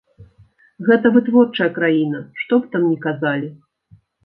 Гэта вытворчая краіна, што б там ні казалі.